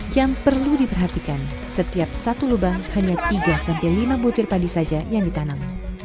dua jam perlu diperhatikan setiap satu lubang hanya tiga lima butir padi saja yang ditanam